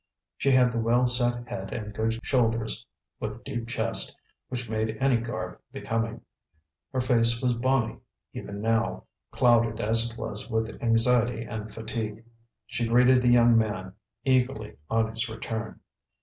She had the well set head and good shoulders, with deep chest, which make any garb becoming; her face was bonny, even now, clouded as it was with anxiety and fatigue. She greeted the young man eagerly on his return.